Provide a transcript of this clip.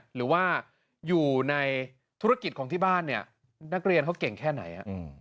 หรือว่าอยู่ในธุรกิจของที่บ้านเนี่ยนักเรียนเขาเก่งแค่ไหน